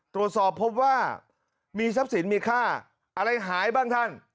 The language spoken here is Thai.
ตรวจสอบพบว่ามีทรัพย์สินมีค่าอะไรหายบ้างท่าน